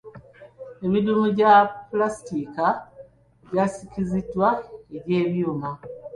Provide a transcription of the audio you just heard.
Emidumu egya pulasitika gyasikiziddwa egy'ebyuma.